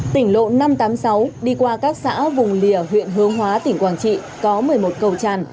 tỉnh lộ năm trăm tám mươi sáu đi qua các xã vùng lìa huyện hướng hóa tỉnh quảng trị có một mươi một cầu tràn